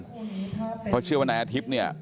เพราะเชื่อว่านายอาทิตย์เนี่ย